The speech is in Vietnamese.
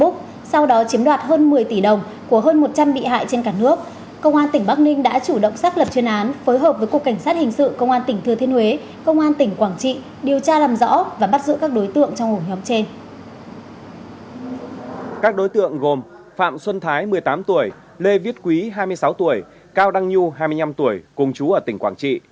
các đối tượng gồm phạm xuân thái một mươi tám tuổi lê viết quý hai mươi sáu tuổi cao đăng nhu hai mươi năm tuổi cùng chú ở tỉnh quảng trị